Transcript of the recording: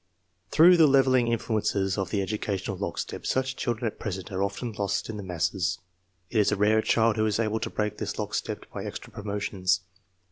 Through the leveling influences of the educational lock step such children at present are often lost in the masses. It is a rare child who is able to break this lockstcp by extra promotions.